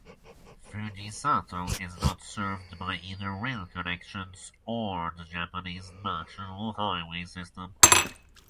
Fujisato is not served by either rail connections, or the Japanese national highway system.